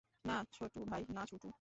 না, ছোটু ভাই, না, ছোটু।